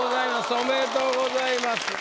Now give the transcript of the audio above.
おめでとうございます。